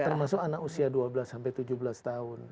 termasuk anak usia dua belas sampai tujuh belas tahun